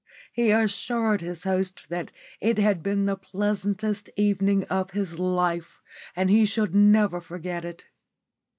He assured his host that it had been the pleasantest evening of his life and he should never forget it.